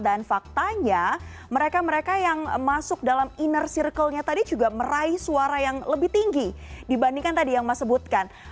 dan faktanya mereka mereka yang masuk dalam inner circle nya tadi juga meraih suara yang lebih tinggi dibandingkan tadi yang mas sebutkan